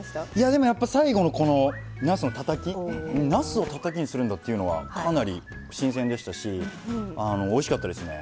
でもやっぱ最後のこのなすのたたきなすをたたきにするんだっていうのはかなり新鮮でしたしおいしかったですね。